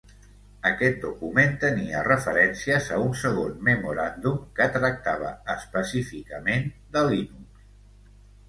Aquest document tenia referències a un segon memoràndum que tractava específicament de Linux.